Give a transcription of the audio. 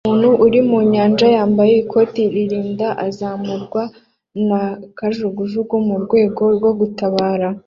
Umuntu uri mu nyanja yambaye ikoti ririnda azamurwa na kajugujugu mu rwego rwo gutabara